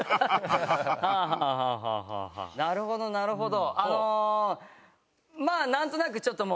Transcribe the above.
なるほどなるほど。